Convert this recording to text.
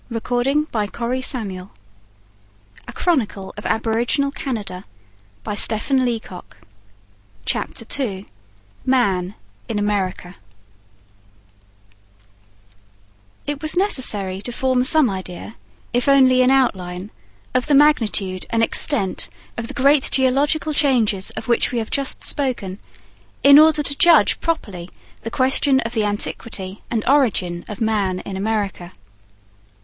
Mighty forces such as these made and fashioned the continent on which we live. CHAPTER II MAN IN AMERICA It was necessary to form some idea, if only in outline, of the magnitude and extent of the great geological changes of which we have just spoken, in order to judge properly the question of the antiquity and origin of man in America.